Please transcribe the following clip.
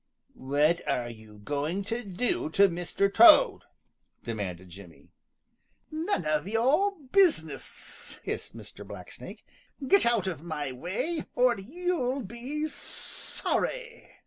"What were you going to do to Mr. Toad?" demanded Jimmy. "None of your business!" hissed Mr. Blacksnake. "Get out of my way, or you'll be sorry."